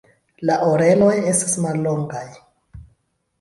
La oreloj estas mallongaj.